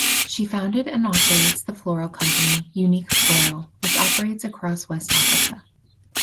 She founded and operates the floral company "Unique Floral" which operates across West Africa.